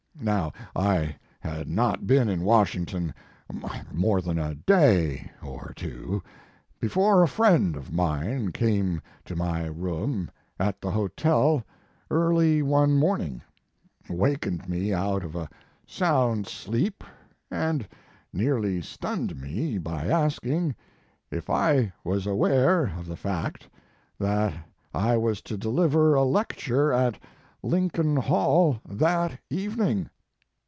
Now, I had not been in Washington more than a day or two before a friend of mine came to my room at the hotel early one moining, wakened me out of a sound sleep, and nearly stunned me by asking if I was aware of the tact that I was to deliver a lecture at Lincoln hall that evening.